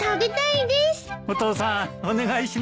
お父さんお願いします。